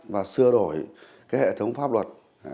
và sửa đổi hệ thống pháp luật